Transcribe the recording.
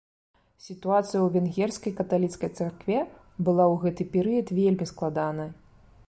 Сітуацыя ў венгерскай каталіцкай царкве была ў гэты перыяд вельмі складанай.